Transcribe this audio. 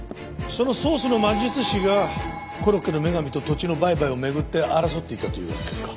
そのソースの魔術師がコロッケの女神と土地の売買を巡って争っていたというわけか。